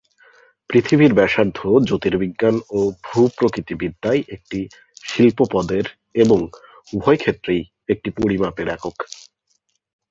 পৃথিবীর ব্যাসার্ধ জ্যোতির্বিজ্ঞান ও ভূপ্রকৃতিবিদ্যায় একটি শিল্প-পদের এবং উভয়ক্ষেত্রেই একটি পরিমাপের একক।